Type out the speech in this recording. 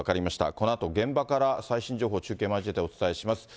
このあと現場から最新情報、中継交えてお伝えします。